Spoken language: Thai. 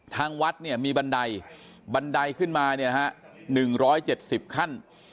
ทางวัดมีบันไดบันไดขึ้นมา๑๗๐ขั้น